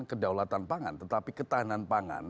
kedaulatan pangan tetapi ketahanan pangan